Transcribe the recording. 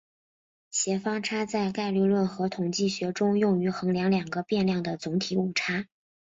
协方差在概率论和统计学中用于衡量两个变量的总体误差。